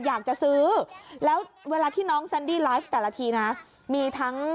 อยากจะซื้อแล้วเวลาที่น้องแซนดี้ไลฟ์แต่ละทีนะมีทั้ง